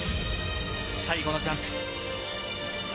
最後のジャンプ。